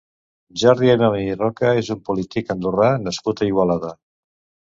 Jordi Aymamí i Roca és un polític andorrà nascut a Igualada.